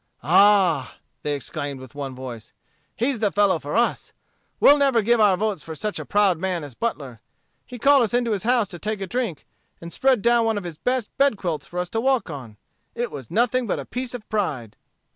"Ah!" they exclaimed with one voice, "he's the fellow for us. We'll never give our votes for such a proud man as Butler. He called us into his house to take a drink, and spread down one of his best bed quilts for us to walk on. It was nothing but a piece of pride."